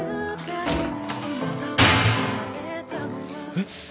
えっ！？